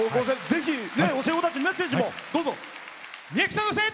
ぜひ、教え子たちにメッセージ、どうぞ。